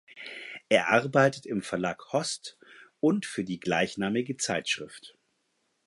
Er arbeitet im Verlag Host und für die gleichnamige Zeitschrift.